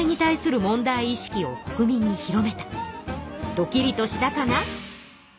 ドキリとしたかな？